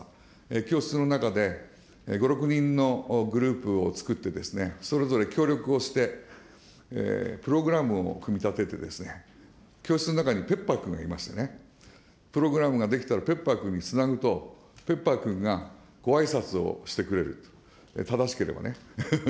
教室の中で５、６人のグループを作って、それぞれ協力をして、プログラムを組み立てて、教室の中にペッパー君がいましてね、プログラムが出来たら、ペッパー君につなぐと、ペッパー君がごあいさつをしてくれる、正しければね。